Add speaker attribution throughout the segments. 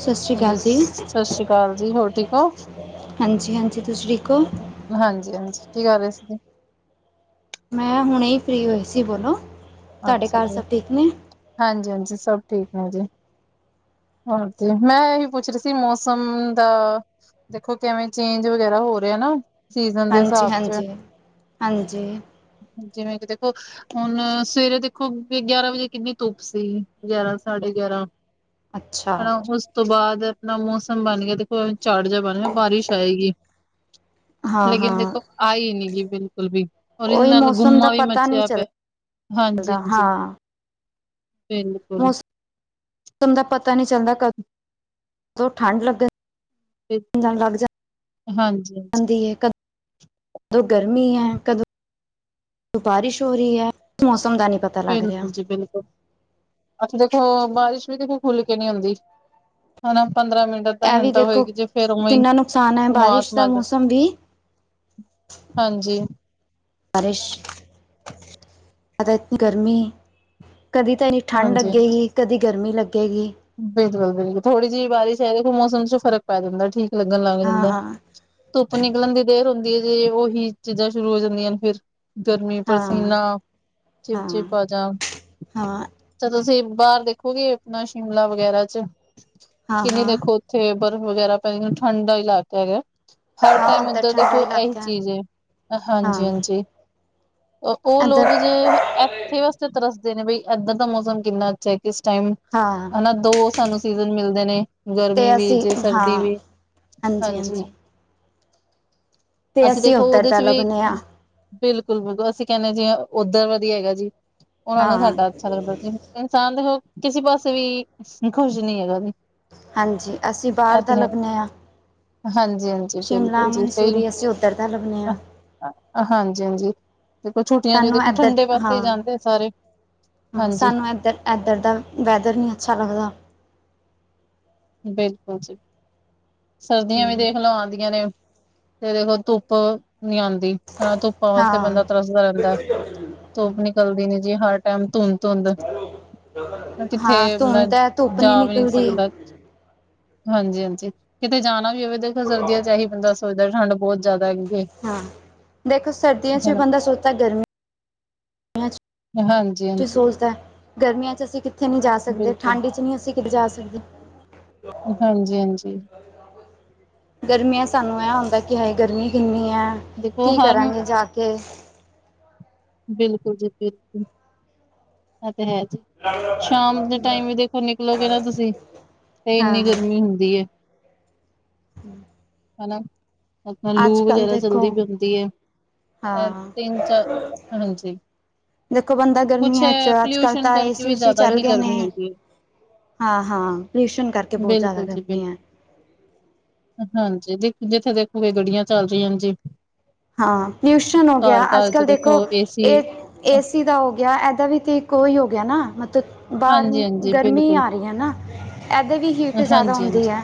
Speaker 1: ਸਤਿ ਸ਼੍ਰੀ
Speaker 2: ਹਾਂਜੀ
Speaker 1: ਅਕਾਲ ਜੀ
Speaker 2: ਸਤਿ ਸ੍ਰੀ ਅਕਾਲ ਜੀ ਹੋਰ ਠੀਕ ਹੋ!
Speaker 1: ਹਾਂਜੀ-ਹਾਂਜੀ ਤੁਸੀਂ ਠੀਕ ੳ?
Speaker 2: ਹਾਂਜੀ-ਹਾਂਜੀ ਕੀ ਕਰ ਰਹੇ ਸੀਗੇ?
Speaker 1: ਮੈਂ ਹੁਣੇ ਹੀ ਫਰੀ ਹੋਈ ਸੀ ਬੋਲੋ। ਤੁਹਾਡੇ
Speaker 2: ਅੱਛਾ
Speaker 1: ਘਰ
Speaker 2: ਜੀ
Speaker 1: ਸਭ ਠੀਕ ਨੇ
Speaker 2: ਹਾਂਜੀ-ਹਾਂਜੀ ਸਭ ਠੀਕ ਨੇ ਜੀ। ਹੁਣ ਤੇ ਮੈਂ ਇਹੀ ਪੁੱਛ ਰਹੀ ਸੀ ਮੌਸਮ ਦਾ ਦੇਖੋ ਕਿਵੇਂ ਚੇਂਜ ਵਗੈਰਾ ਹੋ ਰਿਹਾ ਨਾ। ਸੀਜ਼ਨ ਦੇ
Speaker 1: ਹਾਂਜੀ
Speaker 2: ਸਾਬ ਚ
Speaker 1: ਹਾਂਜੀ ਹਾਂਜੀ
Speaker 2: ਜਿਵੇਂ ਕਿ ਦੇਖੋ ਹੁਣ ਸਵੇਰੇ ਦੇਖੋ ਗਿਆਰਾਂ ਵਜੇ ਕਿੰਨੀ ਧੁੱਪ ਸੀ ਗਿਆਰਾਂ ਸਾਢੇ ਗਿਆਰਾਂ
Speaker 1: ਅੱਛਾ
Speaker 2: ਹਨਾ ਉਸ ਤੋਂ ਬਾਅਦ ਅਪਣਾ ਮੌਸਮ ਬਣ ਗਿਆ ਦੇਖੋ ਝਾੜ ਜਿਹਾ ਬਣ ਗਿਆ। ਬਾਰਿਸ਼ ਆਏਗੀ
Speaker 1: ਹਾਂ
Speaker 2: ਲੇਕਿਨ
Speaker 1: ਹਾਂ
Speaker 2: ਦੇਖੋ ਆਈ ਨੀ ਗੀ ਬਿਲਕੁਲ ਵੀ ਔਰ ਇਹਦੇ
Speaker 1: ਉਹੀ
Speaker 2: ਨਾਲ
Speaker 1: ਮੌਸਮ ਦਾ
Speaker 2: ਗੁੰਮਾ ਵੀ
Speaker 1: ਪਤਾ ਨਹੀਂ
Speaker 2: ਮਚਿਆ ਪਿਐ।
Speaker 1: ਚੱਲਦਾ
Speaker 2: ਹਾਂਜੀ-ਹਾਂਜੀ
Speaker 1: ਹਾਂ
Speaker 2: ਬਿਲਕੁਲ।
Speaker 1: ਮੌਸਮ ਦਾ ਪਤਾ ਨੀ ਚੱਲਦਾ ਕਦੋਂ ਠੰਡ ਲੱਗੇ
Speaker 2: ਹਾਂਜੀ-ਹਾਂਜੀ
Speaker 1: ਕ ਕਦੋਂ ਗਰਮੀ ਹੈ ਕਦੋਂ ਬਾਰਿਸ਼ ਹੋ ਰਹੀ ਹੈ ਮੌਸਮ ਦਾ ਨੀ ਪਤਾ ਲੱਗ ਰਿਹਾ
Speaker 2: ਬਿਲਕੁਲ ਜੀ ਬਿਲਕੁਲ। ਅੱਛਾ ਦੇਖੋ ਬਾਰਿਸ਼ ਵੀ ਦੇਖੋ ਖੁੱਲ ਕੇ ਨੀ ਆਂਦੀ ਹਨਾ ਪੰਦਰਾਂ ਮਿੰਟ ਅੱਧਾ
Speaker 1: ਇਹ
Speaker 2: ਹਿੰ
Speaker 1: ਵੀ
Speaker 2: ਤਾਂ
Speaker 1: ਦੇਖੋ
Speaker 2: ਹੋਏਗੀ ਜੇ ਫੇਰ ਉਵੇਂ
Speaker 1: ਕਿੰਨਾ ਨੁਕਸਾਨ ਹੈ
Speaker 2: ਉ ਮਾਸ
Speaker 1: ਬਾਰਿਸ਼ ਦਾ
Speaker 2: ਮਾਝ
Speaker 1: ਮੌਸਮ ਵੀ
Speaker 2: ਹਾਂਜੀ
Speaker 1: ਬਾਰਿਸ਼ ਗਰਮੀ ਕਦੀ ਤਾਂ ਨ ਠੰਡ
Speaker 2: ਹਾਂਜੀ
Speaker 1: ਲੱਗੇਗੀ ਕਦੀ ਗਰਮੀ ਲੱਗੇਗੀ
Speaker 2: ਬਿਲਕੁਲ ਬਿਲਕੁਲ ਥੋੜੀ ਜਿਹੀ ਬਾਰਿਸ਼ ਹੈ ਦੇਖੋ ਮੌਸਮ ਚ ਫ਼ਰਕ ਪੈ ਜਾਂਦਾ ਠੀਕ ਲੱਗਣ ਲੱਗ
Speaker 1: ਹਾਂ
Speaker 2: ਜਾਂਦਾ
Speaker 1: ਹਾਂ
Speaker 2: ਧੁੱਪ ਨਿਕਲਣ ਦੀ ਦੇਰ ਹੁੰਦੀ ਹੈ ਜੇ ਉਹੀ ਚੀਜ਼ਾਂ ਸ਼ੁਰੂ ਹੋ ਜਾਂਦੀਆਂ ਨੇ ਫਿਰ ਗਰਮੀ
Speaker 1: ਹਾਂ
Speaker 2: ਪਸੀਨਾ ਚਿਪ
Speaker 1: ਹਾਂ
Speaker 2: ਚਿਪ ਆ ਜਾ
Speaker 1: ਹਾਂ
Speaker 2: ਤਾਂ ਤੁਸੀਂ ਬਾਹਰ ਦੇਖੋਗੇ ਆਪਣਾ ਸ਼ਿਮਲਾ ਵਗੈਰਾ ਚ
Speaker 1: ਹਾਂ ਹਾਂ
Speaker 2: ਕਿੰਨੀ ਦੇਖੋ ਥੇ ਬਰਫ਼ ਵਗੈਰਾ ਪੈ ਠੰਢ ਦਾ ਹੀ ਇਲਾਕਾ ਹੈਗਾ ਹਰ
Speaker 1: ਹਾਂ
Speaker 2: ਟਾਈਮ
Speaker 1: ਇੱਧਰ
Speaker 2: ਉਧਰ
Speaker 1: ਠੰਡਾ
Speaker 2: ਦੇਖੋ ਇਹੀ
Speaker 1: ਇਲਾਕਾ
Speaker 2: ਚੀਜ਼ ਹੈ ਹਾਂਜੀ
Speaker 1: ਹਾਂ
Speaker 2: ਹਾਂਜੀ ਉਹ
Speaker 1: ਇੱਧਰ
Speaker 2: ਲੋਕ ਜੇ ਇੱਥੇ ਵਾਸਤੇ ਤਰਸਦੇ ਨੇ ਬਈ ਇਧਰ ਦਾ ਮੌਸਮ ਕਿੰਨਾ ਅੱਛਾ ਹੈ ਕਿਸ ਟਾਈਮ
Speaker 1: ਹਾਂ
Speaker 2: ਹਨਾ ਦੋ ਸਾਨੂੰ ਸੀਜਨ ਮਿਲਦੇ ਨੇ ਗਰਮੀ
Speaker 1: ਤੇ
Speaker 2: ਵੀ
Speaker 1: ਅਸੀਂ
Speaker 2: ਜੇ ਸਰਦੀ
Speaker 1: ਹਾਂ
Speaker 2: ਵੀ
Speaker 1: ਹਾਂਜੀ ਹਾਂਜੀ ਤੇ
Speaker 2: ਅਸੀਂ ਦੇਖੋ
Speaker 1: ਉੱਧਰ
Speaker 2: ਉਹਦੇ
Speaker 1: ਦਾ
Speaker 2: ਚ ਵੀ
Speaker 1: ਲੱਭਣੇ ਹਾਂ
Speaker 2: ਬਿਲਕੁਲ ਬਿਲਕੁਲ ਅਸੀਂ ਕਹਿੰਦੇ ਹਾਂ ਜੀ ਉੱਧਰ ਵਧੀ ਹੈਗਾ ਜੀ ਉਹਨਾਂ ਨੂੰ
Speaker 1: ਹਾਂ
Speaker 2: ਸਾਡਾ ਅੱਛਾ ਲੱਗਦਾ ਜੀ ਇਨਸਾਨ ਦੇ ਉਹ ਕਿਸੇ ਪਾਸੇ ਵੀ ਖੁਸ਼ ਨਹੀਂ ਹੈਗਾ ਜੇ
Speaker 1: ਹਾਂਜੀ ਅਸੀਂ ਬਾਹਰ ਦਾ ਲੱਭਦੇ ਹਾਂ।
Speaker 2: ਹਾਂਜੀ
Speaker 1: ਸ਼ਿਮਲਾ
Speaker 2: ਬਿਲਕੁਲ ਜੀ ਕਈ
Speaker 1: ਮਨਸੂਰੀ ਅਸੀਂ ਉੱਧਰ ਦਾ ਲੱਭਦੇ ਹਾਂ।
Speaker 2: ਹਾਂਜੀ ਹਾਂਜੀ ਦੇਖੋ ਛੁੱਟੀਆਂ ਚ
Speaker 1: ਸਾਨੂੰ
Speaker 2: ਦੇਖੋ
Speaker 1: ਇੱਧਰ
Speaker 2: ਠੰਡੇ ਵਾਸਤੇ
Speaker 1: ਹਾਂ
Speaker 2: ਹੀ ਜਾਂਦੇ ਆ ਸਾਰੇ
Speaker 1: ਹਾਂ
Speaker 2: ਹਾਂਜੀ
Speaker 1: ਸਾਨੂੰ ਇੱਧਰ ਇੱਧਰ ਦਾ ਵੈਦਰ ਨਹੀਂ ਅੱਛਾ ਲੱਗਦਾ
Speaker 2: ਬਿਲਕੁਲ ਜ ਸਰਦੀਆਂ ਵੀ
Speaker 1: ਹਮ
Speaker 2: ਦੇਖਲਓ ਆਉਂਦੀਆਂ ਨੇ ਤੇਰੇ ਕੋਲ ਧੁੱਪ ਨੀ ਆਉਂਦੀ ਹਨਾ ਧੁੱਪਾਂ ਵਾਸਤੇ ਬੰਦਾ
Speaker 1: ਹਾਂ
Speaker 2: ਤਰਸਦਾ ਰਹਿੰਦਾ ਧੁੱਪ ਨਿਕਲਦੀ ਨੀ ਜੀ ਹਰ ਟਾਈਮ ਧੁੰਦ ਧੁੰਦ ਕਿੱਥੇ
Speaker 1: ਹਾਂ ਧੁੰਦ
Speaker 2: ਮਤਲਬ
Speaker 1: ਹੈ ਧੁੱਪ ਨਹੀਂ
Speaker 2: ਜਾ ਵੀ ਨੀ
Speaker 1: ਨਿਕਲਦੀ
Speaker 2: ਸਕਦਾ ਹਾਂਜੀ ਹਾਂਜੀ ਕਿਤੇ ਜਾਣਾ ਵੀ ਹੋਵੇ ਦੇਖੋ ਸਰਦੀਆਂ ਚਹੀ ਬੰਦਾ ਸੋਚਦਾ ਠੰਡ ਬਹੁਤ ਜ਼ਿਆਦਾ ਹੈਗੀ ਹੈ।
Speaker 1: ਹਾਂ ਦੇਖੋ ਸਰਦੀਆਂ ਚ ਵੀ
Speaker 2: ਹਨਾ
Speaker 1: ਬੰਦਾ ਸੋਚਦਾ ਗਰਮੀ
Speaker 2: [unintelligible]
Speaker 1: ਸਹੂਲਤ ਹੈ ਗਰਮੀਆਂ ਚ ਅਸੀਂ ਕਿੱਥੇ ਨਹੀਂ ਜਾ ਸਕਦੇ
Speaker 2: ਬਿਲਕੁਲ
Speaker 1: ਠੰਡੀ ਚ ਨਹੀਂ ਅਸੀਂ ਬਜਾ ਸਕਦੇ
Speaker 2: ਹਾਂਜੀ ਹਾਂਜੀ
Speaker 1: ਗਰਮੀਆਂ ਸਾਨੂੰ ਇਹ ਆਉਂਦਾ ਕਿ ਹਾਏ ਗਰਮੀ ਕਿੰਨੀ ਹੈ।
Speaker 2: ਦੇਖੋ
Speaker 1: ਕੀ
Speaker 2: ਹਰ
Speaker 1: ਕਰਾਂਗੀ ਜਾ ਕੇ
Speaker 2: ਬਿਲਕੁਲ ਜੀ ਬਿਲਕੁਲ ਉਹ ਤੇ ਹੈ ਜੀ ਸ਼ਾਮ ਦੇ ਟਾਈਮ ਵੀ ਦੇਖੋ ਨਿਕਲੋਗੇ ਨਾ ਤੁਸੀਂ ਤੇ
Speaker 1: ਹਾਂ
Speaker 2: ਇੰਨੀ
Speaker 1: ਹਾਂ
Speaker 2: ਗਰਮੀ ਹੁੰਦੀ ਹੈ।
Speaker 1: [inaudible]
Speaker 2: ਹਨਾ ਆਪਣਾ ਲੂ
Speaker 1: ਅੱਜ ਕੱਲ੍ਹ
Speaker 2: ਵਗੈਰਾ
Speaker 1: ਦੇਖੋ
Speaker 2: ਚਲਦੀ ਪੈਂਦੀ ਹੈ ਅ
Speaker 1: ਹਾਂ
Speaker 2: ਤਿੰਨ ਚਾਰ [unintelligible]
Speaker 1: ਦੇਖੋ ਬੰਦਾ
Speaker 2: ਕੁਛ
Speaker 1: ਗਰਮੀਆਂ ਚ ਅੱਜ ਕੱਲ
Speaker 2: ਪੋਲਿਊਸ਼ਨ
Speaker 1: ਤਾਂ
Speaker 2: ਕਰਕੇ
Speaker 1: ਏਸੀ
Speaker 2: ਵੀ
Speaker 1: ਉਸੀ
Speaker 2: ਜ਼ਿਆਦਾ
Speaker 1: ਚੱਲ
Speaker 2: ਹੀ
Speaker 1: ਗਏ
Speaker 2: ਗਰਮੀ
Speaker 1: ਨੇ
Speaker 2: ਹੋਈ
Speaker 1: ਹਾਂ ਹਾਂ ਪਲੇਸ਼ਨ ਕਰਕੇ
Speaker 2: ਹੈ।
Speaker 1: ਬਹੁਤ ਜ਼ਿਆਦਾ
Speaker 2: ਬਿਲਕੁਲ ਜੀ
Speaker 1: ਕਰਦੇ ਹੈ।
Speaker 2: ਬਿਲਕੁਲ ਹਾਂਜੀ ਜਿੱਥੇ ਦੇਖੋਗੇ ਗੱਡੀਆਂ ਚਲਦੀ ਰਹਿੰਦੀ
Speaker 1: ਹਾਂ ਪਿਊਸ਼ਨ ਹੋ ਗਿਆ ਅੱਜ
Speaker 2: ਚ
Speaker 1: ਕੱਲ ਦੇਖੋ
Speaker 2: ਏਸੀ
Speaker 1: ਇਹ ਏਸੀ ਦਾ ਹੋ ਗਿਆ ਇਦਾਂ ਵੀ ਤੇ ਇੱਕ ਉਹੀ ਹੋ ਗਿਆ ਨਾ ਮਤਲਬ ਬਾਹਰ
Speaker 2: ਹਾਂਜੀ ਹਾਂਜੀ
Speaker 1: ਗਰਮੀ
Speaker 2: ਬਿਲਕੁਲ
Speaker 1: ਆ ਰਹੀ ਹੈ ਨਾ ਐਦੇ ਵੀ ਹੀਟ ਜ਼ਿਆਦਾ
Speaker 2: ਹਾਂਜੀ
Speaker 1: ਹੁੰਦੀ
Speaker 2: ਹਾਂਜੀ
Speaker 1: ਹੈ।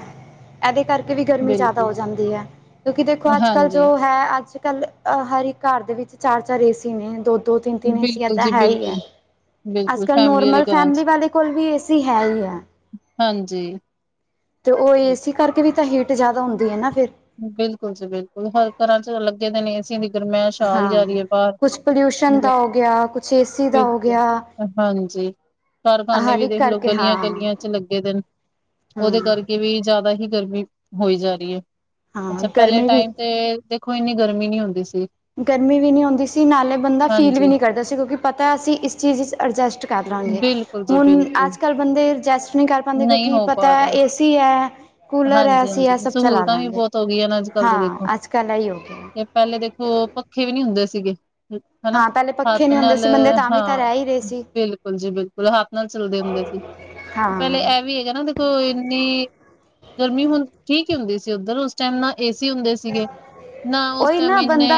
Speaker 1: ਐਦੇ ਕਰਕੇ ਵੀ ਗਰਮੀ ਜ਼ਿਆਦਾ
Speaker 2: ਬਿਲਕੁਲ
Speaker 1: ਹੋ ਜਾਂਦੀ ਹੈ ਕਿਉਂਕਿ ਦੇਖੋ ਅੱਜ ਕੱਲ
Speaker 2: ਹਾਂਜੀ
Speaker 1: ਜੋ ਹੈ ਅੱਜ ਅੱਜ ਕੱਲ ਹਰ ਇੱਕ ਘਰ ਦੇ ਵਿੱਚ ਚਾਰ ਚਾਰ ਏਸੀ ਨੇ ਦੋ ਦੋ ਤਿੰਨ ਤਿੰਨ ਏਸੀ
Speaker 2: ਬਿਲਕੁਲ
Speaker 1: ਏਦਾਂ
Speaker 2: ਜੀ
Speaker 1: ਹੈ ਹੀ ਹੈ।
Speaker 2: ਬਿਲਕੁਲ
Speaker 1: ਅੱਜ
Speaker 2: ਬਿਲਕੁਲ
Speaker 1: ਕੱਲ
Speaker 2: ਫੈਮਿਲੀ ਵਾਲੇ
Speaker 1: ਨੋਰਮਲ
Speaker 2: ਘਰਾਂ
Speaker 1: ਫੈਮਲੀ
Speaker 2: ਚ
Speaker 1: ਵਾਲੇ ਕੋਲ ਵੀ ਏਸੀ ਹੈ ਹੀ ਹੈ।
Speaker 2: ਹਾਂਜੀ
Speaker 1: ਤੇ ਓ
Speaker 2: ਬਿ-
Speaker 1: ਏਸੀ ਕਰਕੇ ਵੀ ਤਾਂ ਹੀਟ ਜਾਦਾ ਹੁੰਦੀ ਏ ਨਾ ਫੇਰ।
Speaker 2: ਬਿਲਕੁਲ ਜੀ ਬਿਲਕੁਲ ਹਰ ਘਰਾਂ ਚ ਲੱਗੇ ਦੇ ਨੇ ਏਸੀ ਦੀ ਗ਼ਰਮੈਸ਼ ਆਈ
Speaker 1: ਹਾਂ
Speaker 2: ਜਾ ਰੀ ਐ ਬਾਰ
Speaker 1: ਕੁਛ ਪੋਲਿਊਸ਼ਨ ਦਾ ਹੋ ਗਿਆ ਕੁਛ ਏਸੀ ਦਾ ਹੋ
Speaker 2: [unintelligible]
Speaker 1: ਗਿਆ
Speaker 2: ਹਾਂਜੀ ਕਾਰਖਾਨੇ ਵੀ
Speaker 1: ਹਰਿਕ
Speaker 2: ਦੇਖ ਲਓ
Speaker 1: ਕਰਕੇ
Speaker 2: ਗਲੀਆਂ
Speaker 1: ਹਾਂ
Speaker 2: ਗਲੀਆਂ ਚ ਲੱਗੇ ਦੇਨ ਓਦੇ
Speaker 1: ਹੂੰ
Speaker 2: ਕਰਕੇ ਕੇ ਵੀ ਜਿਆਦਾ ਹੀ ਗਰਮੀ ਹੋਈ ਜਾ ਰੀ ਏ।
Speaker 1: ਹਾਂ
Speaker 2: ਅੱਛਾ ਪੈਲੇ
Speaker 1: ਗਰਮੀ ਵੀ
Speaker 2: ਟਾਈਮ ਤੇ ਦੇਖੋ ਇੰਨੀ ਗਰਮੀ ਨੀ ਹੁੰਦੀ ਸੀ।
Speaker 1: ਗਰਮੀ ਵੀ ਨੀ ਹੁੰਦੀ ਨਾਲੇ ਬੰਦਾ ਫੀਲ ਵੀ
Speaker 2: ਹਾਂਜੀ,
Speaker 1: ਨੀ ਕਰਦਾ ਸੀ ਕਿਉਂਕਿ ਪਤਾ ਅਸੀਂ ਇਸ ਚੀਜ਼ ਵਿੱਚ ਅਡਜਸਟ ਕਰ ਲਾਂਗੇ।
Speaker 2: ਬਿਲਕੁਲ ਜੀ
Speaker 1: ਹੁਣ
Speaker 2: ਬਿਲ
Speaker 1: ਅੱਜ ਕੱਲ੍ਹ ਬੰਦੇ ਐਡਜੈਸ ਨਈ ਕਰ ਪਾਂਦੇ ਕਿਉਂਕਿ
Speaker 2: ਹੋ
Speaker 1: ਪਤਾ
Speaker 2: ਪਾ ਰਿਹਾ।
Speaker 1: ਏਸੀ ਐ, ਕੂਲਰ ਐ ਅਸੀਂ ਐ
Speaker 2: ਹਾਂਜੀ-ਹਾਂਜੀ,
Speaker 1: ਸਭ ਚਲਾ
Speaker 2: ਸਹੂਲਤਾਂ ਵੀ
Speaker 1: ਲਾਂਗੇ।
Speaker 2: ਬਹੁਤ ਹੋ ਗਈਆਂ ਨੇ
Speaker 1: ਹਾਂ ਅੱਜ ਕੱਲ ਐ ਈ ਹੋ ਗਿਆ।
Speaker 2: ਪੈਲੇ ਦੇਖੋ ਪੱਖੇ ਵੀ ਨੀ ਹੁੰਦੇ ਸੀਗੇ। ਹਨਾ
Speaker 1: ਹਾਂ ਪਹਿਲੇ ਪੱਖੇ
Speaker 2: ਹੱਥ
Speaker 1: ਨਹੀਂ ਹੁੰਦੇ
Speaker 2: ਨਾਲ
Speaker 1: ਸੀ ਬੰਦੇ ਤਾਂ
Speaker 2: ਹਾਂ
Speaker 1: ਵੀ ਤਾਂ ਰਹਿ ਹੀ ਰਹੇ ਸੀ
Speaker 2: ਬਿਲਕੁਲ ਜੀ ਬਿਲਕੁਲ, ਹੱਥ ਨਾਲ ਚਲਦੇ ਹੁੰਦੇ ਸੀ। ਪੈਲੇ
Speaker 1: ਹਾਂ
Speaker 2: ਐ ਵੀ ਹੈਗਾ ਨਾ ਦੇਖੋ ਇੰਨੀ ਗਰਮੀ ਹੁੰਦੀ ਠੀਕ ਈ ਹੁੰਦੀ ਸੀ ਉੱਧਰ ਉਸ ਟਾਈਮ ਨਾ ਏ ਸੀ ਹੁੰਦੇ ਸੀਗੇ ਨਾ ਉਸ
Speaker 1: ਓਈ
Speaker 2: ਟਾਈਮ
Speaker 1: ਨਾ
Speaker 2: ਇੰਨੇ
Speaker 1: ਬੰਦਾ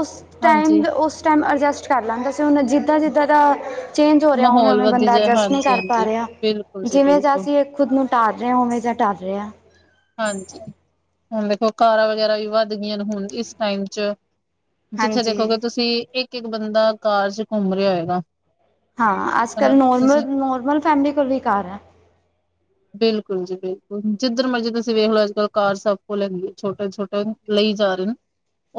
Speaker 1: ਉਸ
Speaker 2: ਹਾਂਜੀ
Speaker 1: ਟਾਈਮ ਉਸ ਟਾਈਮ ਅਡਜਸਟ ਕਰ ਲੈਂਦੇ ਸੀ ਹੁਨ ਜਿੱਦਾਂ ਜਿੱਦਾਂ ਦਾ ਚੇਂਜ ਹੋ ਰਯਾ
Speaker 2: ਮਾਹੌਲ
Speaker 1: ਉਵੇਂ-ਉਵੇਂ
Speaker 2: ਵੱਧ
Speaker 1: ਬੰਦਾ
Speaker 2: ਜਾਏ
Speaker 1: ਐਡਜਸਟ ਨਈ
Speaker 2: ਹਾਂਜੀ
Speaker 1: ਕਰ ਪਾ
Speaker 2: ਹਾਂਜੀ
Speaker 1: ਰਿਹਾ
Speaker 2: ਬਿਲਕੁਲ ਜੀ
Speaker 1: ਜਿਵੇਂ ਜਾ
Speaker 2: ਬਿਲਕੁਲ
Speaker 1: ਅਸੀਂ ਖੁਦ ਨੂੰ ਢਾਲ ਰੇ ਆਂ ਓਵੇਂ ਦਾ ਢਲ ਰੇ ਆਂ।
Speaker 2: ਹਾਂਜੀ ਹੁਨ ਦੇਖੋ ਕਾਰਾਂ ਵਗੈਰਾ ਵੀ ਵੱਧ ਗਈਆਂ ਨੇ ਹੁਨ ਇਸ ਟਾਈਮ 'ਚ ਜਿੱਥੇ
Speaker 1: ਹਾਂਜੀ
Speaker 2: ਦੇਖੋਗੇ ਤੁਸੀਂ ਇੱਕ-ਇੱਕ ਬੰਦਾ ਕਾਰ 'ਚ ਘੁੰਮ ਰਯਾ ਹੋਏਗਾ।
Speaker 1: ਹਾਂ ਅੱਜ ਕੱਲ੍ਹ
Speaker 2: ਹਨਾ
Speaker 1: ਨੋਰਮਲ,
Speaker 2: ਤੁਸੀਂ
Speaker 1: ਨੋਰਮਲ ਫੈਮਿਲੀ ਕੋਲ ਵੀ ਕਾਰ ਐ।
Speaker 2: ਬਿਲਕੁਲ ਜੀ ਬਿਲਕੁਲ ਜਿੱਧਰ ਮਰਜੀ ਤੁਸੀਂ ਵੇਖ ਲਓ ਅੱਜ ਕੱਲ ਕਾਰ ਸਭ ਕੋਲ ਹੈਗੀ ਛੋਟੇ ਛੋਟੇ ਲਈ ਜਾ ਰੇ ਨ।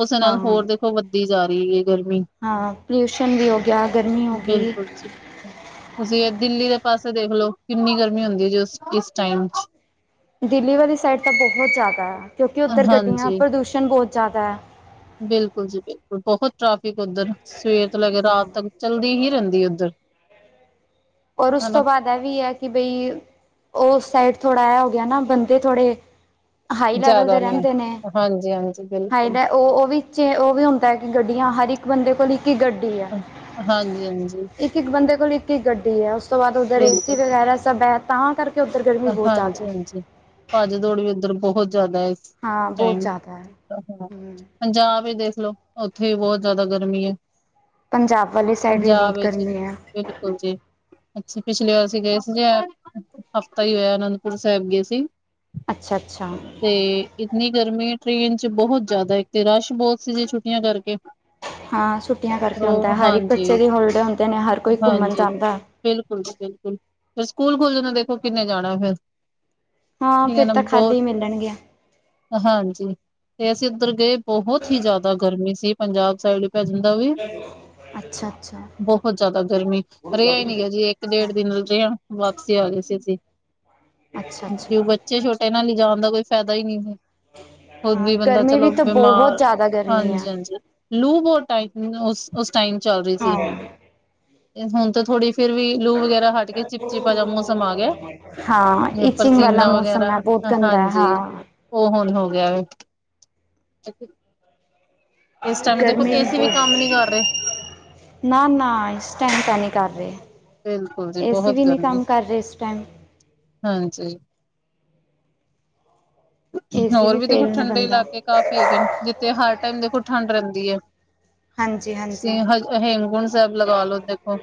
Speaker 2: ਓਸੇ ਨਾਲ
Speaker 1: ਹਾਂ
Speaker 2: ਹੋਰ
Speaker 1: ਹਾਂ
Speaker 2: ਦੇਖੋ ਵੱਧਦੀ ਜਾ ਰਹੀ ਏ ਗਰਮੀ।
Speaker 1: ਹਾਂ ਪੋਲਿਊਸ਼ਨ ਵੀ ਹੋ ਗਿਆ ਗਰਮੀ ਹੋ ਗੀ।
Speaker 2: ਬਿਲਕੁਲ ਜੀ ਬਿਲਕੁਲ। ਤੁਸੀਂ ਐ ਦਿੱਲੀ ਦੇ ਪਾਸੇ ਦੇਖ ਲਓ ਕਿੰਨੀ ਗਰਮੀ ਹੁੰਦੀ ਏ ਜੋ ਇਸ ਟਾਈਮ 'ਚ।
Speaker 1: ਦਿੱਲੀ ਵਾਲੀ ਸਾਈਡ ਤਾਂ ਬੋਹਤ ਜਾਦਾ ਐ ਕਿਉਂਕਿ ਉੱਧਰ ਗੱਡੀਆਂ
Speaker 2: ਹਾਂਜੀ
Speaker 1: ਪ੍ਰਦੂਸ਼ਣ ਬੋਹਤ ਜਾਦਾ ਐ।
Speaker 2: ਬਿਲਕੁਲ ਜੀ ਬਿਲਕੁਲ ਬੋਹਤ ਟਰਾਫ਼ੀਕ ਉੱਧਰ ਸਵੇਰ ਤੋਂ ਲੈ ਕੇ
Speaker 1: ਹਾਂ
Speaker 2: ਰਾਤ ਤੱਕ। ਚੱਲਦੀ ਹੀ ਰਹਿੰਦੀ ਉੱਧਰ।
Speaker 1: ਔਰ ਉਸ
Speaker 2: ਹਨਾ
Speaker 1: ਤੋਂ ਬਾਦ ਐ ਵੀ ਐ ਕਿ ਬਈ ਓਸ ਸਾਈਡ ਥੋੜਾ ਐ ਹੋ ਗਿਆ ਨਾ ਬੰਦੇ ਥੋੜੇ ਹਾਈ ਲੈਵਲ ਦੇ ਰਹਿੰਦੇ ਨੇ
Speaker 2: ਹਾਂਜੀ ਹਾਂਜੀ
Speaker 1: ਹਾਈ
Speaker 2: ਬਿਲਕੁਲ
Speaker 1: ਲੈ ਓ, ਓ ਵੀ 'ਚ ਓ ਵੀ ਹੁੰਦਾ ਐ ਕਿ ਗੱਡੀਆਂ ਹਰ ਇੱਕ ਬੰਦੇ ਕੋਲ ਇੱਕ ਇੱਕ ਗੱਡੀ ਐ।
Speaker 2: ਅ ਹਾਂਜੀ ਹਾਂਜੀ।
Speaker 1: ਇੱਕ ਇੱਕ ਬੰਦੇ ਕੋਲ ਇੱਕ ਇੱਕ ਗੱਡੀ ਐ ਉਸ ਤੋਂ ਬਾਦ ਉੱਧਰ ਏ ਸੀ
Speaker 2: ਬਿਲਕੁਲ
Speaker 1: ਵਗੈਰਾ ਸਭ ਐ ਤਾਂ ਕਰਕੇ ਕੇ ਉੱਧਰ ਗਰਮੀ ਬੋਤ ਜਾਦਾ ਐ।
Speaker 2: ਭਾਜ ਦੌੜ ਵੀ ਉੱਧਰ ਬੋਹਤ ਜਾਦਾ ਐ
Speaker 1: ਹਾਂ ਬਹੁਤ
Speaker 2: ਟਾਈਮ
Speaker 1: ਜ਼ਿਆਦਾ ਹੈ
Speaker 2: [unintelligible]
Speaker 1: ਹਮ
Speaker 2: ਪੰਜਾਬ ਚ ਦੇਖ ਲੋ ਓਥੇ ਵੀ ਬੋਹਤ ਜਾਦਾ ਗਰਮੀ ਐ।
Speaker 1: ਪੰਜਾਬ ਵਾਲੀ ਸਾਈਡ ਵੀ ਬੋਤ ਗਰਮੀ ਐ।
Speaker 2: ਬਿਲਕੁਲ ਜੀ ਅੱਛਾ ਪਿਛਲੀ ਵਾਰ ਅਸੀਂ ਗਏ ਸੀ ਜੇ ਹਫ਼ਤਾ ਈ ਹੋਇਆ ਅਨੰਦਪੁਰ ਸਾਹਿਬ ਗਏ ਸੀ।
Speaker 1: ਅੱਛਾ-ਅੱਛਾ।
Speaker 2: ਤੇ ਇੱਤਨੀ ਗਰਮੀ ਟ੍ਰੇਨ 'ਚ ਬੋਹਤ ਜਾਦਾ, ਇੱਕ ਤੇ ਰਸ਼ ਬੋਤ ਸੀ ਜੀ ਛੁੱਟੀਆਂ ਕਰਕੇ।
Speaker 1: ਹਾਂ ਛੁੱਟੀਆਂ ਕਰਕੇ
Speaker 2: ਰੋ
Speaker 1: ਹੁੰਦਾ, ਹਰ ਇੱਕ
Speaker 2: ਹਾਂਜੀ,
Speaker 1: ਬੱਚੇ ਦੇ ਹੋਲੀਡੇ ਹੁੰਦੇ ਨੇ, ਹਰ ਕੋਈ ਘੁੰਮਨ
Speaker 2: ਹਾਂਜੀ।
Speaker 1: ਜਾਂਦਾ।
Speaker 2: ਬਿਲਕੁਲ ਜੀ ਬਿਲਕੁਲ ਫਿਰ ਸਕੂਲ ਖੋਲ ਜਣਾ ਦੇਖੋ ਕਿੰਨੇ ਜਾਣਾ ਫਿਰ।
Speaker 1: ਹਾਂ ਫਿਰ
Speaker 2: [unintelligible] ਨਾ
Speaker 1: ਤਾਂ
Speaker 2: ਬੋਤ
Speaker 1: ਖਾਲੀ ਮਿਲਣਗੇ
Speaker 2: ਹਾਂਜੀ, ਤੇ ਅਸੀਂ ਓਦਰ ਗਏ ਬਹੁਤ ਹੀ ਜਾਦਾ ਗਰਮੀ ਸੀ, ਪੰਜਾਬ ਸਾਈਡ ਪੈ ਜਾਂਦਾ ਓਵੀ
Speaker 1: [inaudible] ਅੱਛਾ-ਅੱਛਾ।
Speaker 2: ਬਹੁਤ ਜਿਆਦਾ ਗਰਮੀ, ਰਿਆ ਈ ਨੀ ਗਿਆ ਜੀ ਇੱਕ ਡੇਢ
Speaker 1: ਅੱਛਾ
Speaker 2: ਦਿਨ ਜਿਆ ਵਾਪਸੀ ਆ ਗੀ ਸੀ, ਜੀ।
Speaker 1: ਅੱਛਾ ਅੱਛਾ
Speaker 2: ਬੱਚੇ ਛੋਟੇ ਨਾਲ ਲਿਜਾਣ ਦਾ ਕੋਈ ਫੈਦਾ ਈ ਨੀ, ਖੁਦ
Speaker 1: ਹਾਂ
Speaker 2: ਵੀ ਬੰਦਾ
Speaker 1: ਗਰਮੀ ਵੀ
Speaker 2: ਚਲੋ
Speaker 1: ਤਾਂ ਬਹੁਤ
Speaker 2: ਬਿਮਾਰ
Speaker 1: ਜ਼ਿਆਦਾ ਗਰਮੀ ਹੈ
Speaker 2: ਹਾਂਜੀ-ਹਾਂਜੀ, ਲੂ ਬਹੁ [unintelligible] ਉਸ, ਉਸ ਟਾਈਮ ਚੱਲ ਰਹੀ ਸੀ।
Speaker 1: ਹਾਂ।
Speaker 2: ਹੁਣ ਤਾਂ ਥੋੜੀ ਫਿਰ ਵੀ ਲੂ ਵਗੈਰਾ ਹਟ ਕੇ, ਚਿਪ-ਚਿਪਾ ਜਾ ਮੋਸਮ ਆ ਗਿਆ।
Speaker 1: ਹਾਂ।
Speaker 2: ਪਰਸੀਨਾ ਵਗੈਰਾ, ਹ ਹਾਂਜੀ। ਓ ਹੁਣ ਹੋ ਗਿਆ। [unintelligible] ਇਸ ਟਾਈਮ ਦੇਖੋ, ਏਸੀ ਵੀ ਕੰਮ ਨੀ ਕਰ ਰਏ।
Speaker 1: ਨਾ-ਨਾ, ਇਸ ਟੈਮ ਤਾਂ ਨਈਂ ਕਰ ਰਏ,
Speaker 2: ਬਿਲਕੁਲ ਜੀ
Speaker 1: ਏਸੀ
Speaker 2: ਬਹੁਤ
Speaker 1: ਵੀ ਨੀ
Speaker 2: ਗਰਮੀ
Speaker 1: ਕੰਮ ਕਰ ਰਏ ਇਸ ਟੈਮ।
Speaker 2: ਹਾਂਜੀ,
Speaker 1: ਏਸੀ
Speaker 2: ਹੋਰ ਵੀ ਦੇਖੋ
Speaker 1: ਫੇਲ ਨੇ
Speaker 2: ਠੰਡੇ
Speaker 1: ਬੰਦਾ
Speaker 2: ਇਲਾਕੇ ਕਾਫ਼ੀ ਹੈਗੇ ਨੇ, ਜਿੱਥੇ ਹਰ ਟਾਈਮ ਦੇਖੋ ਠੰਡ ਰਹਿੰਦੀ ਐ
Speaker 1: ਹਾਂਜੀ ਹਾਂਜੀ ਹਾਂ
Speaker 2: ਹੇਮਕੁੰਟ ਸਾਹਿਬ ਲਗਾਲੋ, ਦੇਖੋ।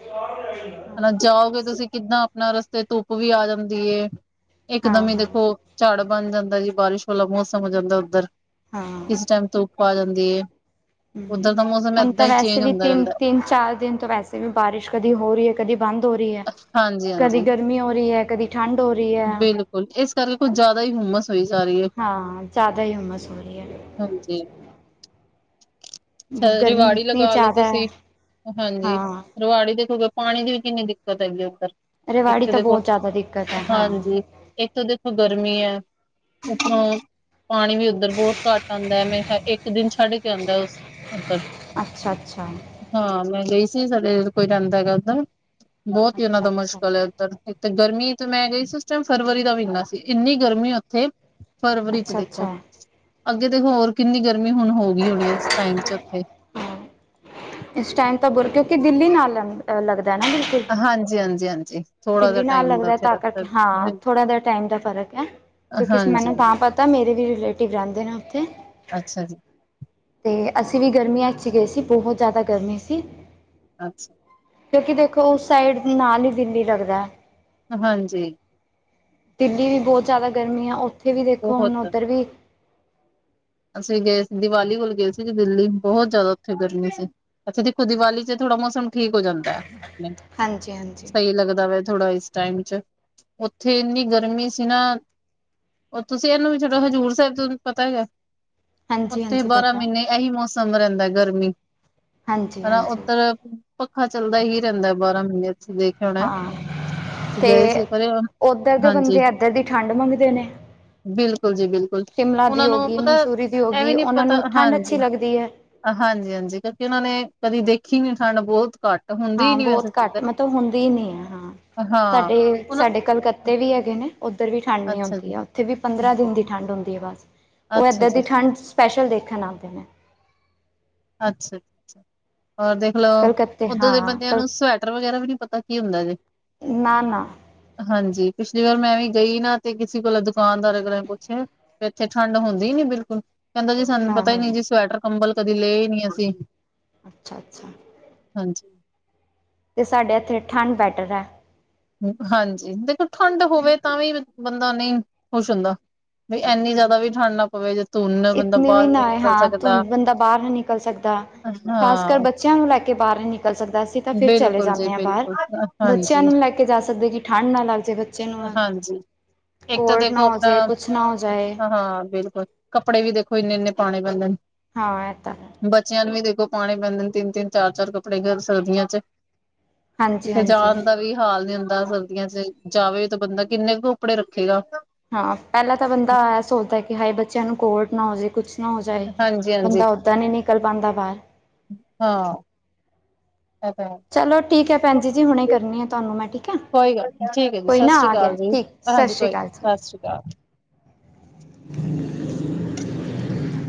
Speaker 2: ਹਨਾ ਜਾਓਗੇ ਤੁਸੀਂ ਕਿੱਦਾਂ ਆਪਣਾ ਰਸਤੇ ਧੁੱਪ ਵੀ ਆ ਜਾਂਦੀ ਏ, ਇਕਦਮ ਈ
Speaker 1: ਹਾਂ
Speaker 2: ਦੇਖੋ। ਝਾੜ ਬਣ ਜਾਂਦਾ ਜੀ ਬਾਰਿਸ਼ ਵਾਲਾ ਮੌਸਮ ਹੋ ਜਾਂਦਾ ਉੱਧਰ,
Speaker 1: ਹਾਂ
Speaker 2: ਕਿਸ ਟੈਮ ਧੁੱਪ ਆ ਜਾਂਦੀ ਐ।
Speaker 1: ਹਮ, ਹੁਣ ਤਾਂ ਵੈਸੇ ਵੀ
Speaker 2: ਹੁੰਦਾ ਰਹਿੰਦਾ
Speaker 1: ਤਿੰਨ-ਤਿੰਨ, ਚਾਰ ਦਿਨ ਤੋਂ ਵੈਸੇ ਵੀ ਬਾਰਿਸ਼ ਕਦੀ ਹੋ ਰਈ ਐ ਕਦੀ ਬੰਦ ਹੋ ਰਈ ਐ,
Speaker 2: ਹਾਂਜੀ
Speaker 1: ਕਦੀ
Speaker 2: ਹਾਂਜੀ
Speaker 1: ਗਰਮੀ ਹੋ ਰਈ ਐ, ਕਦੀ ਠੰਡ ਹੋ ਰਈ ਐ।
Speaker 2: ਬਿਲਕੁਲ ਇਸ ਕਰਕੇ, ਕੁੱਝ ਜ਼ਿਆਦਾ ਈ ਹੁੰਮਸ ਹੋਈ ਜਾ ਰਈ ਐ।
Speaker 1: ਹਾਂ, ਜ਼ਿਆਦਾ ਈ ਹੁੰਮਸ ਹੋ ਰਈ ਐ।
Speaker 2: ਹਾਂਜੀ। [unintelligible]
Speaker 1: ਹੈ ਗਰਮੀ ਇਤਨੀ
Speaker 2: ਲਗਾ ਲੋ
Speaker 1: ਜ਼ਿਆਦਾ
Speaker 2: ਤੁਸੀਂ, ਹਾਂਜੀ। ਰਵਾੜੀ ਦੇਖੋਗੇ, ਪਾਣੀ ਦੀ ਵੀ ਕਿੰਨੀ ਦਿੱਕਤ ਐਗੀ ਐ ਉੱਧਰ। ਇੱਕ
Speaker 1: ਰੇਵਾੜੀ ਤਾਂ
Speaker 2: ਦੇਖੋ
Speaker 1: ਬਹੁਤ ਜ਼ਿਆਦਾ ਦਿੱਕਤ ਐ, ਹਾਂ।
Speaker 2: ਹਾਂਜੀ ਇੱਕ ਤਾਂ ਦੇਖੋ ਗਰਮੀ ਐ, ਉੱਪਰੋਂ ਪਾਣੀ ਵੀ ਓਧ ਉੱਧਰ ਬਹੁਤ ਘੱਟ ਆਦਾਂ ਐ, ਮੈਂ ਕਿਆ ਇੱਕ ਦਿਨ ਛੱਡ ਕੇ ਆਦਾਂ ਉਸ ਉੱਧਰ
Speaker 1: ਅੱਛਾ ਅੱਛਾ
Speaker 2: ਹਾਂ, ਮੈਂ ਗਈ ਸੀ ਸਾਡੇ ਕੋਈ ਰੈੰਦਾ ਗੈ ਓਧਰ, ਬਹੁਤ ਈ ਓਨਾਂ
Speaker 1: ਅੱਛਾ ਅੱਛਾ
Speaker 2: ਦਾ ਮੁਸ਼ਕਿਲ ਐ। ਗਰਮੀ ਤੇ ਮੈਂ ਗਈ ਸੀ, ਉਸ ਟੈਮ ਫਰਵਰੀ ਦਾ ਮਹੀਨਾ ਸੀ, ਇੰਨੀ ਗਰਮੀ ਉੱਥੇ ਫਰਵਰੀ 'ਚ
Speaker 1: ਅੱਛਾ
Speaker 2: ਦੇਖੋ,
Speaker 1: ਅੱਛਾ
Speaker 2: ਅੱਗੇ ਤੇ ਹੋਰ ਕਿੰਨੀ ਗਰਮੀ ਹੁਣ ਹੋ ਗਈ ਹੋਣੀ ਏ, ਇਸ ਟਾਈਮ 'ਚ ਉੱਥੇ।
Speaker 1: ਹਾਂ ਇਸ ਟੈਮ ਤਾਂ ਬੁਰ, ਕਿਉਂਕਿ ਦਿੱਲੀ ਨਾਲ 'ਅ ਲੱਗਦੈ ਨਾ ਬਿਲਕੁਲ।
Speaker 2: ਹਾਂਜੀ-ਹਾਂਜੀ, ਹਾਂਜੀ। ਥੋੜਾ ਜਿਹਾ
Speaker 1: ਦਿੱਲੀ ਨਾਲ
Speaker 2: ਟਾਈਮ ਦਾ
Speaker 1: ਲੱਗਦੇ
Speaker 2: ਉੱਥੇ
Speaker 1: ਤਾਂ
Speaker 2: ਰਸਤਾ
Speaker 1: ਕਰਕੇ ਹਾਂ, ਥੋੜਾ ਜਿਆ ਟਾਈਮ ਦਾ ਫ਼ਰਕ ਐ। ਕਿਉਂਕਿ ਇਸ
Speaker 2: ਹਾਂਜੀ,
Speaker 1: ਮੈਨੂੰ ਤਾਂ ਪਤਾ, ਮੇਰੇ ਵੀ ਰਿਲੇਟਿਵ ਰਹਿੰਦੇ ਨੇ ਉੱਥੇ।
Speaker 2: ਅੱਛਾ ਜੀ।
Speaker 1: ਤੇ ਅਸੀਂ ਵੀ ਗਰਮੀਆਂ 'ਚ ਈ ਗਏ ਸੀ, ਬਹੁਤ ਜ਼ਿਆਦਾ ਗਰਮੀ ਸੀ।
Speaker 2: ਅੱਛਾ।
Speaker 1: ਕਿਉਂਕਿ ਦੇਖੋ ਉਸ ਸਾਈਡ, ਨਾਲ ਈ ਦਿੱਲੀ ਲਗਦੈ।
Speaker 2: ਹਾਂਜੀ।
Speaker 1: ਦਿੱਲੀ ਵੀ ਬਹੁਤ ਜ਼ਿਆਦਾ ਗਰਮੀ ਐ, ਉੱਥੇ ਵੀ ਦੇਖੋ ਹੁਣ
Speaker 2: ਬਹੁਤ
Speaker 1: ਉੱਧਰ ਵੀ
Speaker 2: ਅਸੀਂ ਵੀ ਗਏ ਸੀ ਦੀਵਾਲੀ ਕੋਲ ਗਏ ਸੀ ਗੇ ਦਿੱਲੀ, ਬਹੁਤ ਜ਼ਿਆਦਾ ਉੱਥੇ ਗਰਮੀ ਸੀ। ਅੱਛਾ ਦੇਖੋ, ਦੀਵਾਲੀ 'ਚ ਥੋੜਾ ਮੌਸਮ ਠੀਕ ਹੋ ਜਾਂਦਾ ਐ,
Speaker 1: ਹਾਂਜੀ ਹਾਂਜੀ
Speaker 2: ਸਈ ਲੱਗਦੈ ਵ ਥੋੜਾ ਇਸ ਟਾਈਮ ਚ, ਉੱਥੇ ਇੰਨੀ ਗਰਮੀ ਸੀ ਨਾ ਓ ਤੁਸੀਂ ਇਹਨੂੰ ਵੀ ਛਡੋ, ਹਜ਼ੂਰ ਸੈਬ ਥੋਨੂੰ ਪਤਾ ਗਾ।
Speaker 1: ਹਾਂਜੀ
Speaker 2: ਉੱਥੇ
Speaker 1: ਹਾਂਜੀ
Speaker 2: ਬਾਰਾਂ
Speaker 1: ਪਤਾ
Speaker 2: ਮਹੀਨੇ ਏਹੀ ਮੌਸਮ ਰੈਂਦਾ ਗਰਮੀ,
Speaker 1: ਹਾਂਜੀ
Speaker 2: ਹਨਾ
Speaker 1: ਹਾਂਜੀ
Speaker 2: ਉੱਧਰ ਪੱਖਾ ਚੱਲਦਾ ਹੀ ਰਹਿੰਦਾ ਬਾਰਾਂ ਮਹੀਨੇ ਇੱਥੇ, ਦੇਖ।
Speaker 1: ਹਾਂ ਤੇ ਓਧਰ ਦੇ
Speaker 2: ਹਾਂਜੀ
Speaker 1: ਬੰਦੇ ਏਧਰ ਦੀ ਠੰਡ ਮੰਗਦੇ ਨੇ।
Speaker 2: ਬਿਲਕੁਲ ਜੀ ਬਿਲਕੁਲ
Speaker 1: ਸ਼ਿਮਲਾ ਦੀ
Speaker 2: ਓਨਾਂ
Speaker 1: ਹੋ
Speaker 2: ਨੂੰ
Speaker 1: ਗਈ,
Speaker 2: ਪਤਾ
Speaker 1: ਮਨਸੂਰੀ ਦੀ ਹੋ ਗਈ,
Speaker 2: ਐਵੇਂ ਨੀ
Speaker 1: ਉਹਨਾਂ
Speaker 2: ਪਤਾ।
Speaker 1: ਨੂੰ ਠੰਡ ਅੱਛੀ
Speaker 2: ਹਾਂਜੀ
Speaker 1: ਲੱਗਦੀ ਹੈ।
Speaker 2: ਹਾਂਜੀ ਹਾਂਜੀ ਕਿਉਂਕਿ ਓਨਾਂ ਨੇ ਕਦੀ ਦੇਖੀ ਨੀ ਠੰਡ। ਬਹੁਤ ਘੱਟ- ਹੁੰਦੀ ਹੀ
Speaker 1: ਹਾਂ
Speaker 2: ਨੀ ਵੈਸੇ
Speaker 1: ਬੋਤ ਘੱਟ
Speaker 2: ਇੱਧਰ
Speaker 1: ਮਤਲਬ ਹੁੰਦੀ ਨੀ ਐ ਹਾਂ।
Speaker 2: ਹਾਂ
Speaker 1: ਸਾਡੇ
Speaker 2: ਹੁਣ
Speaker 1: ਸਾਡੇ ਕਲਕੱਤੇ ਵੀ ਐਗੇ ਨੇ। ਓਧਰ ਵੀ ਠੰਡ ਨੀ
Speaker 2: ਅੱਛਾ
Speaker 1: ਹੁੰਦੀ
Speaker 2: ਜੀ
Speaker 1: ਆ। ਓਥੇ ਵੀ ਪੰਦਰਾਂ
Speaker 2: ਜੀ,
Speaker 1: ਦਿਨ ਦੀ ਠੰਡ ਹੁੰਦੀ ਐ ਬਸ। ਓ
Speaker 2: ਅੱਛਾ
Speaker 1: ਏਧਰ
Speaker 2: ਜੀ
Speaker 1: ਦੀ ਠੰਡ- ਐਂਜ ਸਪੈਸ਼ਲ ਦੇਖਣ ਆਂਦੇ ਨੇ।
Speaker 2: ਅੱਛਾ ਅੱਛਾ ਅ- ਔਰ ਦੇਖ ਲਓ
Speaker 1: ਕਲਕੱਤੇ
Speaker 2: ਓਧਰ ਦੇ
Speaker 1: ਹਾਂ
Speaker 2: ਬੰਦਿਆਂ
Speaker 1: ਕਲ
Speaker 2: ਨੂੰ ਸਵੈਟਰ ਵਗੈਰਾ ਵੀ ਨੀ ਪਤਾ ਕੀ ਹੁੰਦਾ ਜੇ।
Speaker 1: ਨਾ ਨਾ
Speaker 2: ਹਾਂਜੀ ਪਿਛਲੀ ਵਾਰ ਮੈਂ ਵੀ ਗਈ ਨਾ, ਤੇ ਕਿਸੇ ਕੋਲ ਦੁਕਾਨਦਾਰ ਕੋਲੋ ਪੁੱਛਿਆ। ਤੇ ਏਥੇ ਠੰਡ ਹੁੰਦੀ ਨੀ ਬਿਲਕੁਲ। ਕੈਂਦਾ ਜੀ ਸਾਨੂੰ
Speaker 1: ਹਾਂ
Speaker 2: ਪਤਾ ਈ
Speaker 1: ਹਾਂ
Speaker 2: ਨੀ ਜੀ, ਸਵੈਟਰ ਕੰਬਲ ਕਦੀ ਲਏ ਈ ਨੀ ਅਸੀਂ।
Speaker 1: ਅੱਛਾ -ਅੱਛਾ
Speaker 2: ਹਾਂਜੀ।
Speaker 1: ਤੇ ਸਾਡੇ ਏਥੇ ਠੰਡ ਬੈਟਰ ਐ।
Speaker 2: ਹਾਂਜੀ ਦੇਖੋ ਠੰਡ ਹੋਵੇ ਤਾਂ, ਵੀ ਬੰਦਾ ਨਈ ਖੁਸ਼ ਹੁੰਦਾ। ਬ‌ਈ ਐਨੀ ਜਾਦਾ ਵੀ ਠੰਡ ਨਾ ਪਵੇ, ਜਿੱਥ-
Speaker 1: ਇਤਨੀ ਵੀ ਨਾ ਆਏ ਹਾਂ, ਧੁੰਦ ਬੰਦਾ ਬਾਰ ਨੀ ਨਿਕਲ ਸਕਦਾ। ਖਾਸ ਕਰ
Speaker 2: ਹਾਂ
Speaker 1: ਬੱਚਿਆਂ ਨੂੰ ਲੈ ਕੇ ਬਾਰ ਨੀ ਨਿਕਲ ਸਕਦਾ। ਅਸੀਂ ਤਾਂ ਫਿਰ ਚਲੇ
Speaker 2: ਬਿਲਕੁਲ ਜੀ
Speaker 1: ਜਾਂਦੇ ਆਂ ਬਾਰ।
Speaker 2: ਬਿਲਕੁਲ
Speaker 1: ਬੱਚਿਆਂ
Speaker 2: ਹਾਂਜੀ।
Speaker 1: ਨੂੰ ਲੈ ਕੇ- ਕੇ ਜਾ ਸਕਦੇ ਕੀ ਠੰਡ ਨਾ ਲੱਗ ਜੇ ਬਚ-
Speaker 2: ਹਾਂਜੀ ਇੱਕ ਤਾਂ ਦੇਖੋ
Speaker 1: ਨਾ ਹੋ ਜਾਏ
Speaker 2: ਆਪਣਾ
Speaker 1: ਕੁਛ ਨਾ ਹੋ ਜਾਏ
Speaker 2: ਹਾਂ ਬਿਲਕੁਲ। ਕੱਪੜੇ ਵੀ ਦੇਖੋ ਏਨੇ- ਏਨੇ ਪਾਣੇ ਪੈਂਦੇ ਨੇ।
Speaker 1: ਹਾਂ ਐ ਤਾਂ ਹੈ।
Speaker 2: ਬੱਚਿਆਂ ਨੂੰ ਵੀ ਦੇਖੋ ਪਾਣੇ ਪੈਂਦੇ ਨੇ ਤਿੰਨ- ਤਿੰਨ, ਚਾਰ -ਚਾਰ ਕੱਪੜੇ ਸਰਦੀਆਂ' ਚ।
Speaker 1: ਹਾਂਜੀ
Speaker 2: ਕਿੱਤੇ
Speaker 1: ਹਾਂਜੀ।
Speaker 2: ਜਾਣ ਦਾ ਵੀ ਹਾਲ- ਜੀਦਾ ਸਰਦੀਆਂ' ਚ, ਜਾਵੇ ਤਾਂ ਬੰਦਾ ਕਿੰਨੇ ਕੁ ਕੱਪੜੇ ਰੱਖੇਗਾ।
Speaker 1: ਹਾਂ ਪੈਲਾਂ ਤਾਂ ਬੰਦਾ ਐ ਸੋਚਦਾਕਿ, ਹਾਏ ਬੱਚਿਆਂ ਨੂੰ ਕੋਲਡ ਨਾ ਹੋ ਜੇ ਕੁਛ- ਹੋ ਜਾਏ
Speaker 2: ਹਾਂਜੀ ਹਾਂਜੀ
Speaker 1: ਬੰਦਾ ਓਦਾਂ ਨੀ ਨਿਕਲ ਪਾਂਦਾ ਬਾਰ।
Speaker 2: ਹਾਂ ਐ ਤਾਂ ਹੈ।
Speaker 1: ਚਲੋ ਠੀਕ ਹੈ ਭੈਣ ਜੀ ਜੀ, ਹੁਣੇ ਕਰਨੀ ਆ ਤੁਆਨੂੰ ਮੈਂ ਠੀਕ ਐ।
Speaker 2: ਕੋਈ ਗੱਲ ਨੀ ਠੀਕ ਹੈ ਜੀ
Speaker 1: ਕੋਈ
Speaker 2: ਸਤਿ
Speaker 1: ਨਾ
Speaker 2: ਸ੍ਰੀ
Speaker 1: ਆ
Speaker 2: ਅਕਾਲ
Speaker 1: ਗਿਆ
Speaker 2: ਜੀ
Speaker 1: ਠੀਕ। ਸਤਿ
Speaker 2: ਹਾਂਜੀ,
Speaker 1: ਸ਼੍ਰੀ
Speaker 2: ਕੋਈ ਨਈ
Speaker 1: ਅਕਾਲ ਜੀ।
Speaker 2: ਸਤ ਸ਼੍ਰੀ ਅਕਾਲ।
Speaker 1: [inaudible]